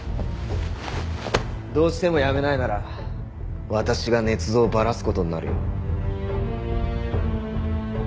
どうしてもやめないなら私が捏造をバラす事になるよ。